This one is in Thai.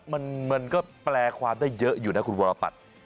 มันก็แปลความได้เยอะอยู่นะคุณวรปัตร